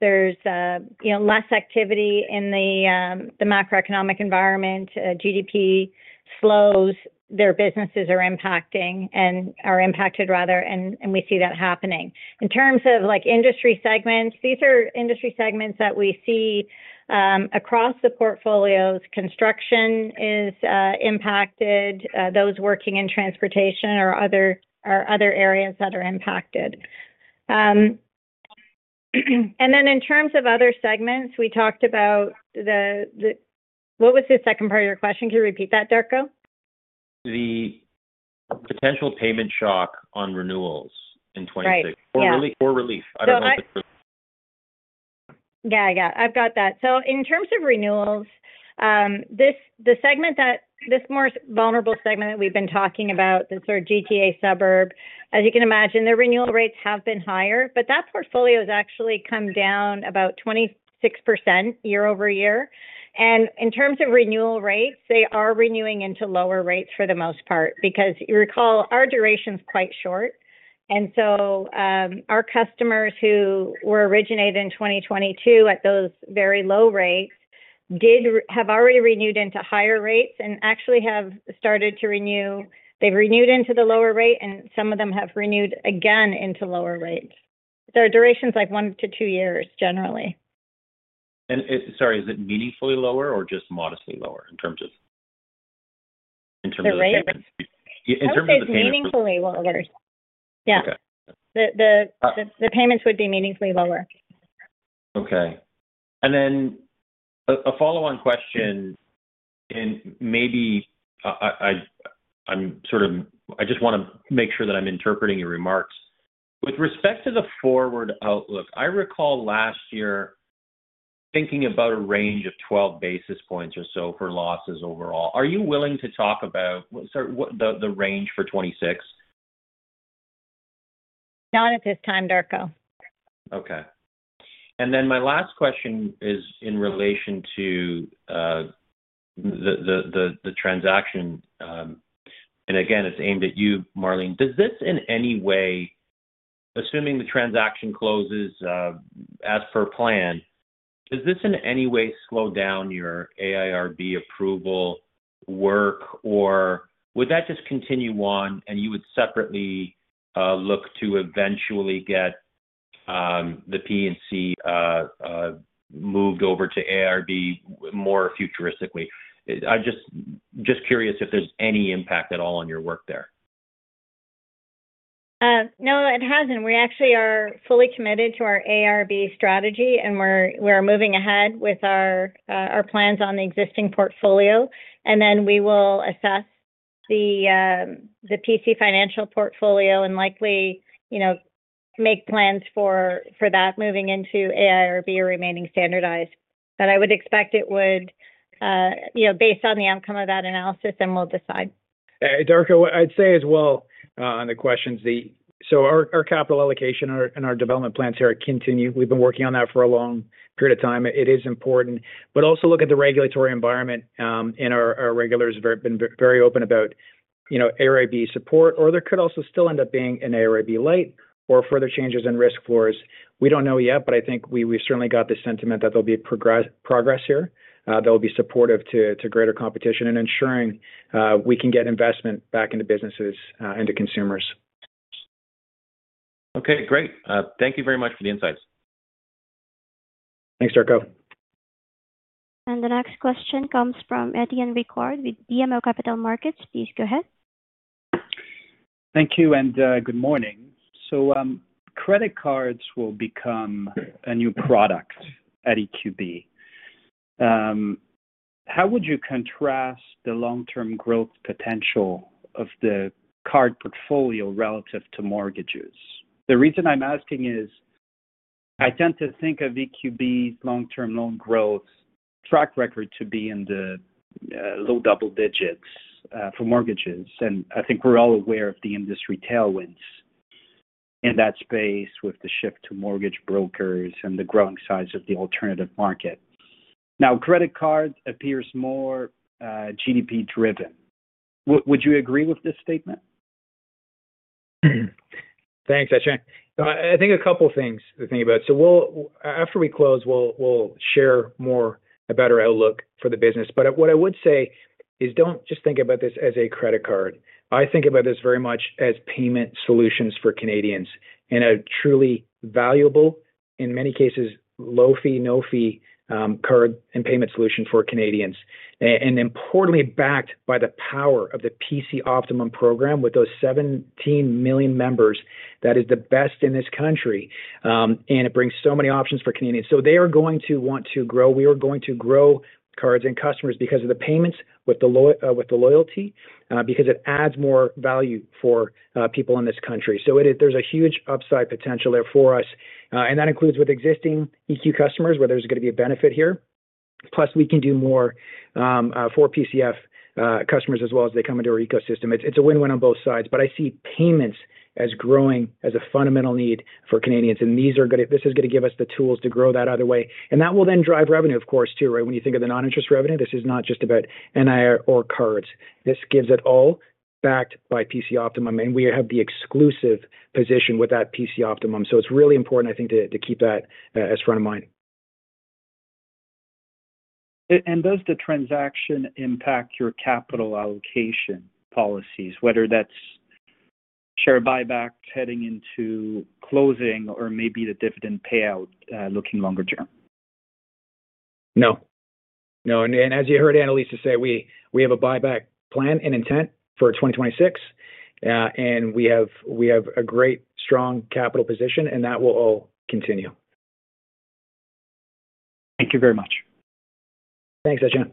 there's less activity in the macroeconomic environment, GDP slows, their businesses are impacted rather, and we see that happening. In terms of industry segments, these are industry segments that we see across the portfolios. Construction is impacted. Those working in transportation are other areas that are impacted. And then in terms of other segments, we talked about the what was the second part of your question? Can you repeat that, Darko? The potential payment shock on renewals in 2026. Or relief. I don't know if it's relief. Yeah. I got it. I've got that. So in terms of renewals, this more vulnerable segment that we've been talking about, the sort of GTA suburb, as you can imagine, their renewal rates have been higher, but that portfolio has actually come down about 26% year-over-year, and in terms of renewal rates, they are renewing into lower rates for the most part because you recall our duration is quite short, and so our customers who were originated in 2022 at those very low rates did have already renewed into higher rates and actually have started to renew. They've renewed into the lower rate, and some of them have renewed again into lower rates. Their duration is like one to two years, generally, and sorry, is it meaningfully lower or just modestly lower in terms of the payments? In terms of the payments? It's meaningfully lower. Yeah. The payments would be meaningfully lower. Okay. And then a follow-on question, and maybe I'm sort of. I just want to make sure that I'm interpreting your remarks. With respect to the forward outlook, I recall last year thinking about a range of 12 basis points or so for losses overall. Are you willing to talk about the range for 2026? Not at this time, Darko. Okay. And then my last question is in relation to the transaction. And again, it's aimed at you, Marlene. Does this in any way, assuming the transaction closes as per plan, does this in any way slow down your AIRB approval work, or would that just continue on and you would separately look to eventually get the PC moved over to AIRB more futuristically? I'm just curious if there's any impact at all on your work there. No, it hasn't. We actually are fully committed to our AIRB strategy, and we're moving ahead with our plans on the existing portfolio. And then we will assess the PC Financial portfolio and likely make plans for that moving into AIRB or remaining standardized. But I would expect it would be based on the outcome of that analysis, and we'll decide. Darko, I'd say as well on the questions, so our capital allocation and our development plans here continue. We've been working on that for a long period of time. It is important. But also look at the regulatory environment, and our regulators have been very open about AIRB support. Or there could also still end up being an AIRB light or further changes in risk floors. We don't know yet, but I think we've certainly got the sentiment that there'll be progress here. There'll be supportive to greater competition and ensuring we can get investment back into businesses, into consumers. Okay. Great. Thank you very much for the insights. Thanks, Darko. And the next question comes from Étienne Ricard with BMO Capital Markets. Please go ahead. Thank you. And good morning. So credit cards will become a new product at EQB. How would you contrast the long-term growth potential of the card portfolio relative to mortgages? The reason I'm asking is I tend to think of EQB's long-term loan growth track record to be in the low double digits for mortgages. And I think we're all aware of the industry tailwinds in that space with the shift to mortgage brokers and the growing size of the alternative market. Now, credit card appears more GDP-driven. Would you agree with this statement? Thanks, Éti I think a couple of things to think about. So after we close, we'll share more about our outlook for the business. But what I would say is don't just think aboutthis as a credit card. I think about this very much as payment solutions for Canadians and a truly valuable, in many cases, low-fee, no-fee card and payment solution for Canadians. And importantly, backed by the power of the PC Optimum program with those 17 million members that is the best in this country. And it brings so many options for Canadians. So they are going to want to grow. We are going to grow cards and customers because of the payments, with the loyalty, because it adds more value for people in this country. So there's a huge upside potential there for us. And that includes with existing EQ customers where there's going to be a benefit here. Plus, we can do more for PCF customers as well as they come into our ecosystem. It's a win-win on both sides, but I see payments as growing as a fundamental need for Canadians. This is going to give us the tools to grow that other way. That will then drive revenue, of course, too, right? When you think of the non-interest revenue, this is not just about NIR or cards. This gives it all backed by PC Optimum. We have the exclusive position with that PC Optimum. So it's really important, I think, to keep that as front of mind. Does the transaction impact your capital allocation policies, whether that's share buybacks heading into closing or maybe the dividend payout looking longer term? No. No. As you heard Annalisa say, we have a buyback plan and intent for 2026. And we have a great, strong capital position, and that will all continue. Thank you very much. Thanks, Étienne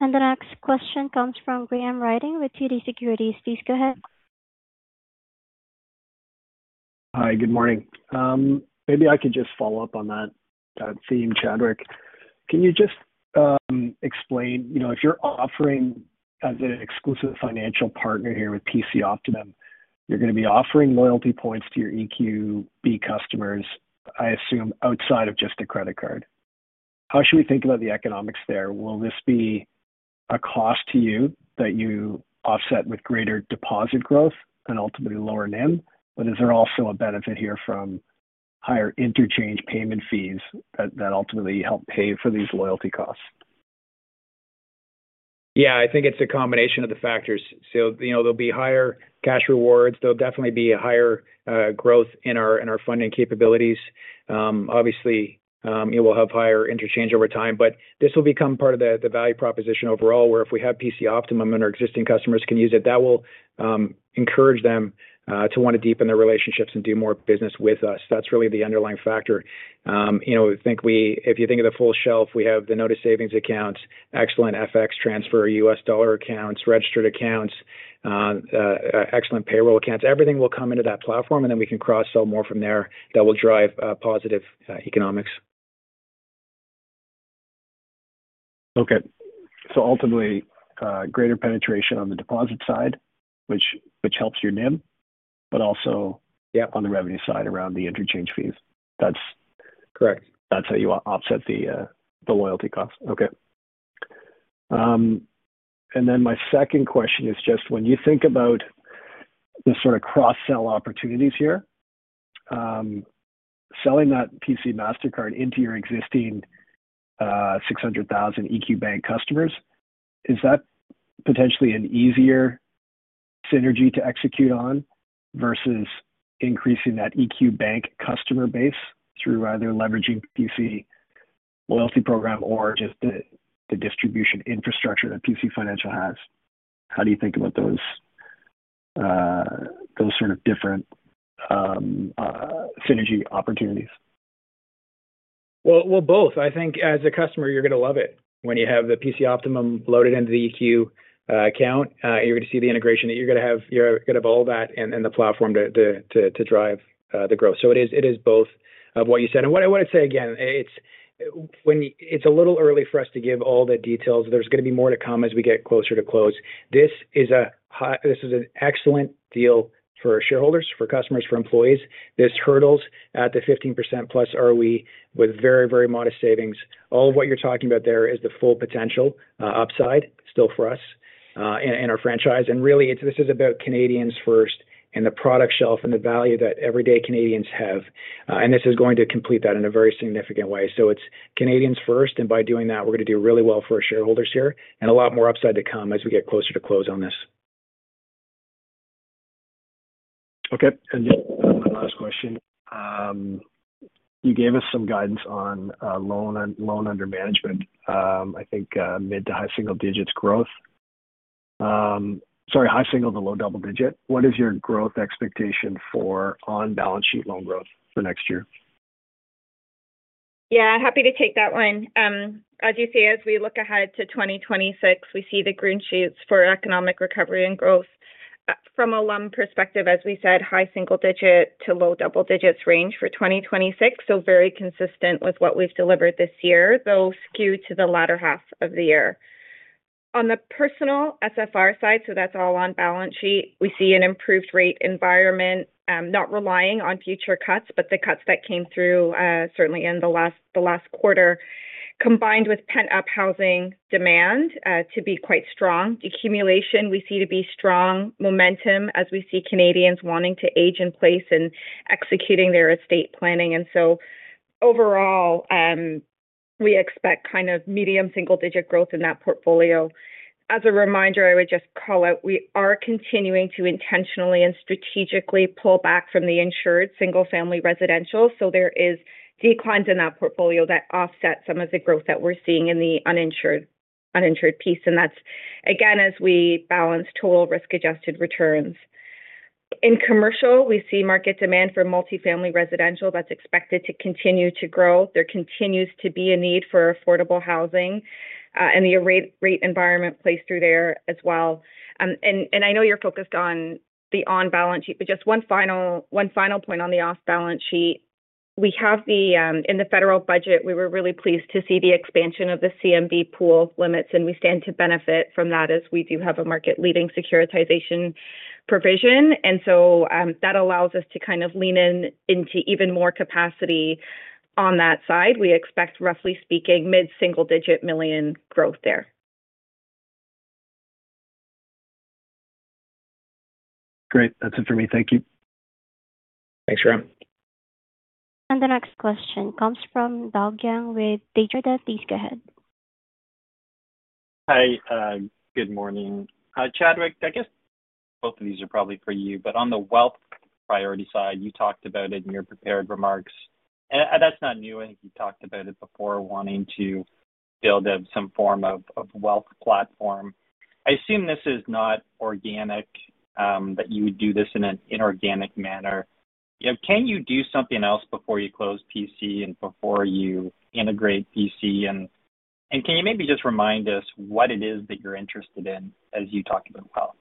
And the next question comes from Graham Ryding with TD Securities. Please go ahead. Hi. Good morning. Maybe I could just follow up on that theme, Chadwick. Can you just explain if you're offering as an exclusive financial partner here with PC Optimum, you're going to be offering loyalty points to your EQB customers, I assume, outside of just a credit card? How should we think about the economics there? Will this be a cost to you that you offset with greater deposit growth and ultimately lower NIM? But is there also a benefit here from higher interchange payment fees that ultimately help pay for these loyalty costs? Yeah. I think it's a combination of the factors. So there'll be higher cash rewards. There'll definitely be higher growth in our funding capabilities. Obviously, we'll have higher interchange over time. But this will become part of the value proposition overall where if we have PC Optimum and our existing customers can use it, that will encourage them to want to deepen their relationships and do more business with us. That's really the underlying factor. I think if you think of the full shelf, we have the notice savings accounts, excellent FX transfer, U.S. dollar accounts, registered accounts, excellent payroll accounts. Everything will come into that platform, and then we can cross-sell more from there that will drive positive economics. Okay. So ultimately, greater penetration on the deposit side, which helps your NIM, but also on the revenue side around the interchange fees. That's how you offset the loyalty costs. Okay. And then my second question is just when you think about the sort of cross-sell opportunities here, selling that PC Mastercard into your existing 600,000 EQ Bank customers, is that potentially an easier synergy to execute on versus increasing that EQ Bank customer base through either leveraging PC loyalty program or just the distribution infrastructure that PC Financial has? How do you think about those sort of different synergy opportunities? Well, both. I think as a customer, you're going to love it when you have the PC Optimum loaded into the EQ account. You're going to see the integration that you're going to have. You're going to have all that and the platform to drive the growth. So it is both of what you said. And what I want to say again, it's a little early for us to give all the details. There's going to be more to come as we get closer to close. This is an excellent deal for shareholders, for customers, for employees. This hurdles at the 15% plus ROE with very, very modest savings. All of what you're talking about there is the full potential upside still for us and our franchise. And really, this is about Canadians first and the product shelf and the value that everyday Canadians have. And this is going to complete that in a very significant way. So it's Canadians first. And by doing that, we're going to do really well for our shareholders here and a lot more upside to come as we get closer to close on this. Okay. And my last question. You gave us some guidance on loan under management, I think mid to high single digits growth. Sorry, high single to low double digit. What is your growth expectation for on-balance sheet loan growth for next year? Yeah. Happy to take that one. As you see, as we look ahead to 2026, we see the green shoots for economic recovery and growth. From a LUM perspective, as we said, high single-digit to low double-digit range for 2026. So very consistent with what we've delivered this year, though skewed to the latter half of the year. On the personal SFR side, so that's all on balance sheet, we see an improved rate environment, not relying on future cuts, but the cuts that came through certainly in the last quarter, combined with pent-up housing demand to be quite strong. The accumulation we see to be strong momentum as we see Canadians wanting to age in place and executing their estate planning. And so overall, we expect kind of medium single-digit growth in that portfolio. As a reminder, I would just call out we are continuing to intentionally and strategically pull back from the insured single-family residential. So there are declines in that portfolio that offset some of the growth that we're seeing in the uninsured piece. And that's, again, as we balance total risk-adjusted returns. In commercial, we see market demand for multi-family residential that's expected to continue to grow. There continues to be a need for affordable housing and the rate environment plays through there as well. And I know you're focused on the on-balance sheet, but just one final point on the off-balance sheet. In the federal budget, we were really pleased to see the expansion of the CMB pool limits, and we stand to benefit from that as we do have a market-leading securitization provision. And so that allows us to kind of lean into even more capacity on that side. We expect, roughly speaking, mid-single digit million growth there. Great. That's it for me. Thank you. Thanks, Graham. And the next question comes from Doug Young with Desjardins. Please go ahead. Hi. Good morning. Chadwick, I guess both of these are probably for you. But on the wealth priority side, you talked about it in your prepared remarks. And that's not new. I think you talked about it before, wanting to build up some form of wealth platform. I assume this is not organic, that you would do this in an inorganic manner. Can you do something else before you close PC and before you integrate PC? And can you maybe just remind us what it is that you're interested in as you talk about wealth?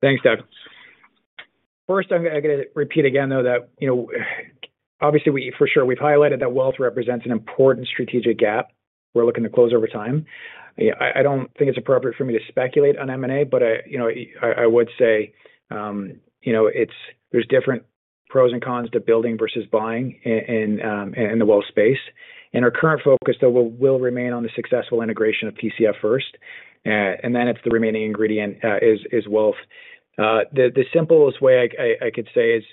Thanks, Doug. First, I'm going to repeat again, though, that obviously, for sure, we've highlighted that wealth represents an important strategic gap we're looking to close over time. I don't think it's appropriate for me to speculate on M&A, but I would say there's different pros and cons to building versus buying in the wealth space. And our current focus, though, will remain on the successful integration of PCF first. And then the remaining ingredient is wealth. The simplest way I could say is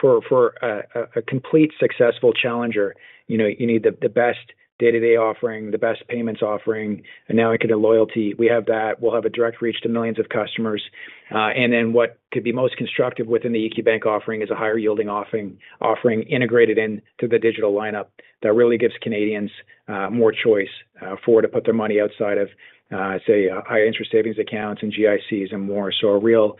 for a complete successful challenger, you need the best day-to-day offering, the best payments offering, and now we can do loyalty. We have that. We'll have a direct reach to millions of customers. And then what could be most constructive within the EQ Bank offering is a higher-yielding offering integrated into the digital lineup that really gives Canadians more choice for to put their money outside of, say, high-interest savings accounts and GICs and more. So a real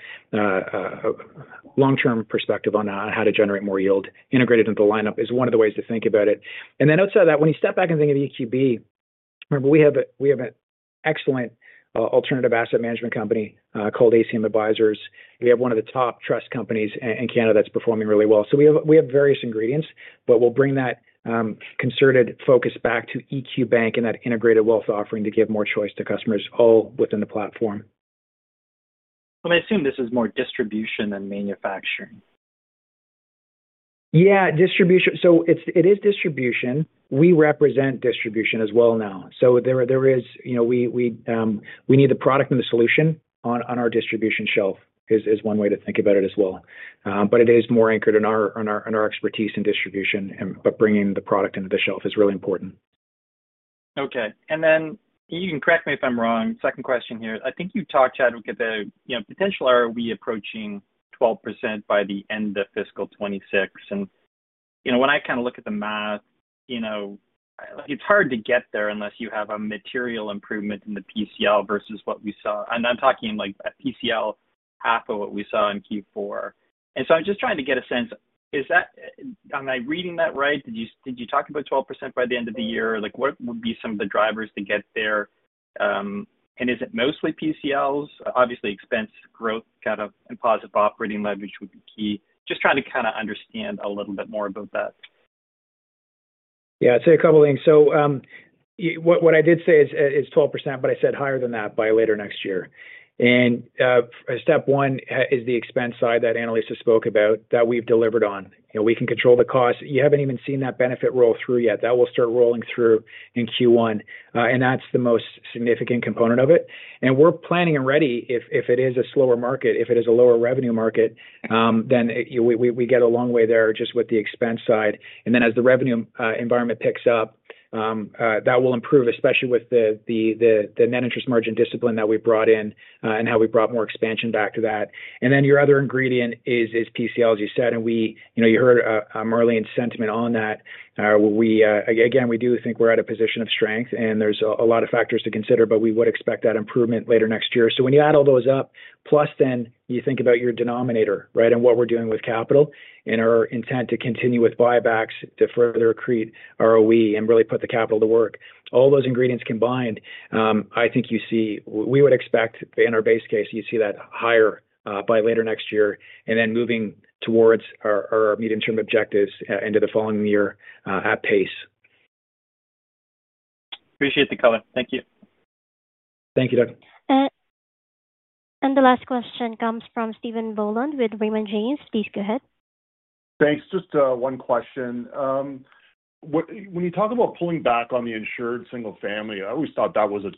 long-term perspective on how to generate more yield integrated into the lineup is one of the ways to think about it. And then outside of that, when you step back and think of EQB, we have an excellent alternative asset management company called ACM Advisors. We have one of the top trust companies in Canada that's performing really well. So we have various ingredients, but we'll bring that concerted focus back to EQ Bank and that integrated wealth offering to give more choice to customers all within the platform. And I assume this is more distribution than manufacturing. Yeah. So it is distribution. We represent distribution as well now. So there is we need the product and the solution on our distribution shelf is one way to think about it as well. But it is more anchored in our expertise in distribution. But bringing the product into the shelf is really important. Okay. And then you can correct me if I'm wrong. Second question here. I think you talked, Chadwick, about the potential ROE approaching 12% by the end of fiscal 2026. And when I kind of look at the math, it's hard to get there unless you have a material improvement in the PCL versus what we saw. And I'm talking like PCL half of what we saw in Q4. And so I'm just trying to get a sense. Am I reading that right? Did you talk about 12% by the end of the year? What would be some of the drivers to get there? And is it mostly PCLs? Obviously, expense, growth, kind of, and positive operating leverage would be key. Just trying to kind of understand a little bit more about that. Yeah. I'd say a couple of things. So what I did say is 12%, but I said higher than that by later next year. Step one is the expense side that Annalisa spoke about that we've delivered on. We can control the cost. You haven't even seen that benefit roll through yet. That will start rolling through in Q1. And that's the most significant component of it. We're planning and ready if it is a slower market, if it is a lower revenue market, then we get a long way there just with the expense side. And then as the revenue environment picks up, that will improve, especially with the net interest margin discipline that we brought in and how we brought more expansion back to that. And then your other ingredient is PCL, as you said. And you heard Marlene's sentiment on that. Again, we do think we're at a position of strength, and there's a lot of factors to consider, but we would expect that improvement later next year. So when you add all those up, plus then you think about your denominator, right, and what we're doing with capital and our intent to continue with buybacks to further accrete ROE and really put the capital to work. All those ingredients combined, I think you see we would expect in our base case, you see that higher by later next year and then moving towards our medium-term objectives into the following year at pace. Appreciate the comment. Thank you. Thank you, Doug. And the last question comes from Stephen Boland with Raymond James. Please go ahead. Thanks. Just one question. When you talk about pulling back on the insured single family, I always thought that was a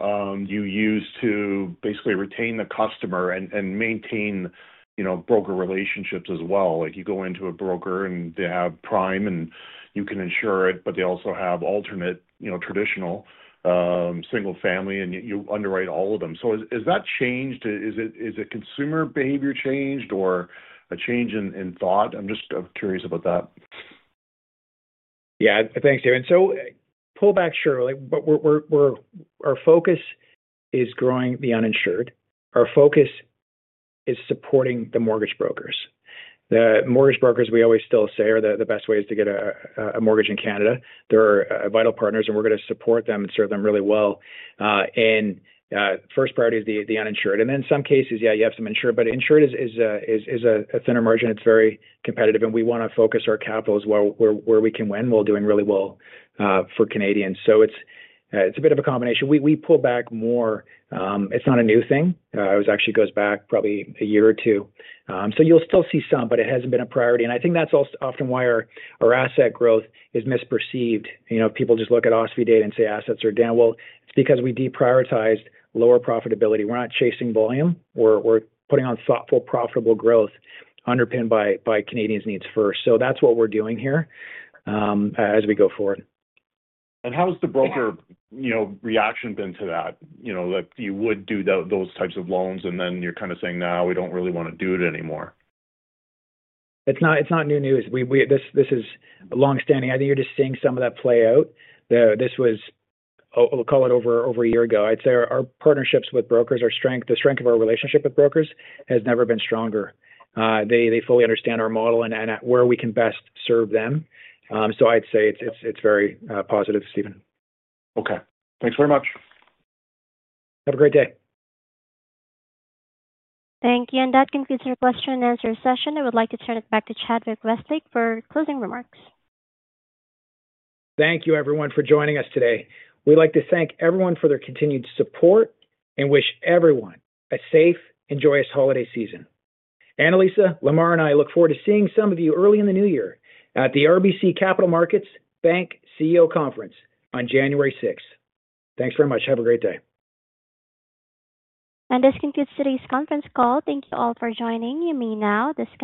tool you use to basically retain the customer and maintain broker relationships as well. You go into a broker and they have prime, and you can insure it, but they also have alternate traditional single family, and you underwrite all of them. So has that changed? Is it consumer behavior changed or a change in thought? I'm just curious about that. Yeah. Thanks, Stephen. So pull back shortly. Our focus is growing the uninsured. Our focus is supporting the mortgage brokers. The mortgage brokers, we always still say, are the best ways to get a mortgage in Canada. They're vital partners, and we're going to support them and serve them really well, and first priority is the uninsured. And then in some cases, yeah, you have some insured, but insured is a thinner margin. It's very competitive, and we want to focus our capital as well where we can when we're doing really well for Canadians, so it's a bit of a combination. We pull back more. It's not a new thing. It actually goes back probably a year or two, so you'll still see some, but it hasn't been a priority, and I think that's often why our asset growth is misperceived. People just look at OSFI data and say assets are down, well, it's because we deprioritized lower profitability. We're not chasing volume. We're putting on thoughtful, profitable growth underpinned by Canadians' needs first, so that's what we're doing here as we go forward. How has the broker reaction been to that, that you would do those types of loans and then you're kind of saying, "No, we don't really want to do it anymore"? It's not new news. This is long-standing. I think you're just seeing some of that play out. This was, I'll call it over a year ago. I'd say our partnerships with brokers, the strength of our relationship with brokers has never been stronger. They fully understand our model and where we can best serve them. So I'd say it's very positive, Stephen. Okay. Thanks very much. Have a great day. Thank you. And that concludes our question and answer session. I would like to turn it back to Chadwick Westlake for closing remarks. Thank you, everyone, for joining us today. We'd like to thank everyone for their continued support and wish everyone a safe and joyous holiday season. Annalisa, Lemar, and I look forward to seeing some of you early in the new year at the RBC Capital Markets Bank CEO Conference on January 6. Thanks very much. Have a great day. This concludes today's conference call. Thank you all for joining. You may now disconnect.